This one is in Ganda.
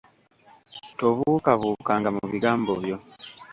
Tobuukabukanga mu bigambo byo.